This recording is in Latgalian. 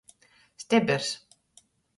Stebers.